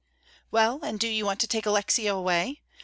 "Well, and do you want to take Alexia away?